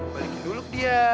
balikin dulu dia